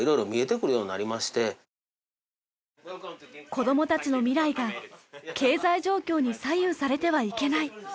子どもたちの未来が経済状況に左右されてはいけない。